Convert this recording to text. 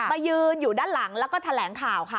ยืนอยู่ด้านหลังแล้วก็แถลงข่าวค่ะ